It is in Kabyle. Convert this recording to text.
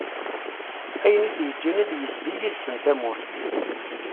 Ayen i t-yeğğan ad yezdi yid-sen tamurt.